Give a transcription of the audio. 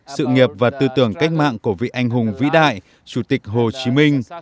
sự nghiệp và tư tưởng cách mạng của vị anh hùng vĩ đại chủ tịch hồ chí minh